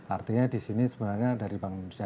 artinya di sini sebenarnya dari bank indonesia